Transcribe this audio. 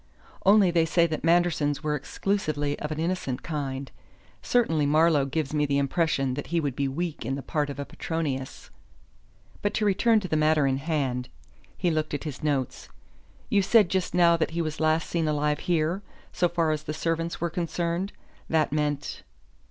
Only they say that Manderson's were exclusively of an innocent kind. Certainly Marlowe gives me the impression that he would be weak in the part of Petronius. But to return to the matter in hand." He looked at his notes. "You said just now that he was last seen alive here, 'so far as the servants were concerned.' That meant